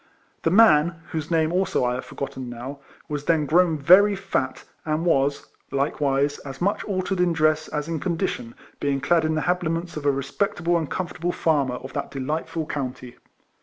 The man (whose name, also, I have forgotten now,) was then grown very fat, and was, likewise, as much altered in dress as in condition, being clad in the habiliments of a respectable and com fortable farmer of that delightful county.